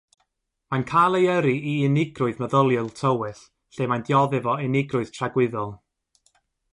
Mae'n cael ei yrru i unigrwydd meddyliol tywyll lle mae'n dioddef o unigrwydd tragwyddol.